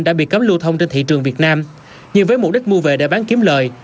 đã bị cấm lưu thông trên thị trường việt nam nhưng với mục đích mua về để bán kiếm lời